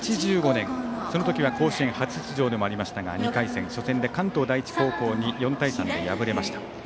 その時は甲子園初出場でもありましたが２回戦、初戦で関東第一高校に４対３で敗れました。